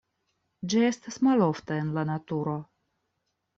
Ĝi estas malofta en la naturo.